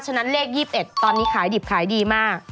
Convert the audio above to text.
ฉะนั้นเลข๒๑ตอนนี้ขายดิบขายดีมาก